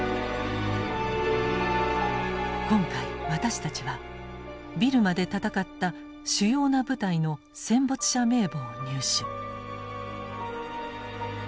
今回私たちはビルマで戦った主要な部隊の戦没者名簿を入手。